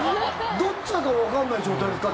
どっちかもわからない状態ですか？